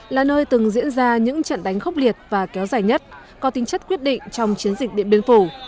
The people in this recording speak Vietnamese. là nơi từng diễn ra những trận đánh khốc liệt và kéo dài nhất có tính chất quyết định trong chiến dịch điện biên phủ